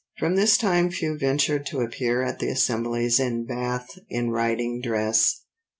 From this time few ventured to appear at the assemblies in Bath in riding dress."